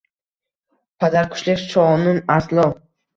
Padarkushlik shonin aslo